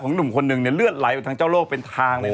หนุ่มคนหนึ่งเนี่ยเลือดไหลออกทางเจ้าโลกเป็นทางเลย